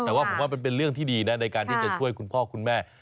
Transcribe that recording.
แต่ว่าผมว่ามันเป็นเรื่องที่ดีนะในการที่จะช่วยคุณพ่อคุณแม่